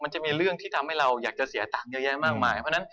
มันจะมีเรื่องที่ทำให้เราอยากจะเสียตังค์เยอะแยะมากมาย